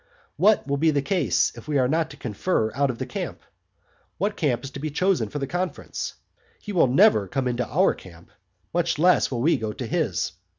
What will be the case if we are not to confer out of the camp? What camp is to be chosen for the conference? He will never come into our camp: much less will we go to his.